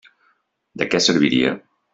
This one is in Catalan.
De què serviria?